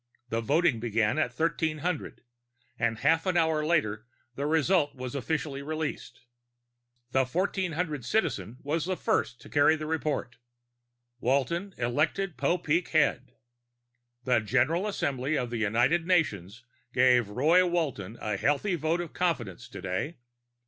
The voting began at 1300, and half an hour later the result was officially released. The 1400 Citizen was the first to carry the report. WALTON ELECTED POPEEK HEAD _The General Assembly of the United Nations gave Roy Walton a healthy vote of confidence today.